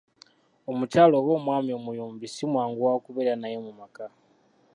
Omukyala oba omwami omuyombi simwangu wakubeera naye mu maka.